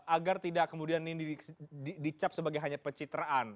agar tidak kemudian ini dicap sebagai hanya pencitraan